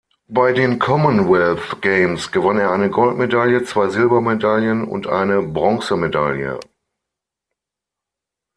Bei den Commonwealth Games gewann er eine Goldmedaille, zwei Silbermedaillen und eine Bronzemedaille.